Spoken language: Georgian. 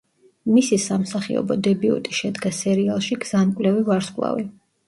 მისი სამსახიობო დებიუტი შედგა სერიალში „გზამკვლევი ვარსკვლავი“.